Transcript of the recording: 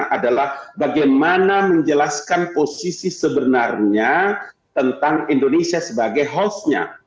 adalah bagaimana menjelaskan posisi sebenarnya tentang indonesia sebagai hostnya